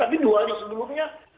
tapi dua hari sebelumnya